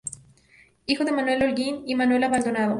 Hijo de Manuel Holguín y Manuela Maldonado.